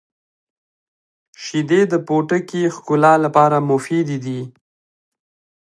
• شیدې د پوټکي ښکلا لپاره مفیدې دي.